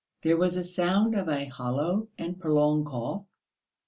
There was a sound of a hollow and prolonged cough.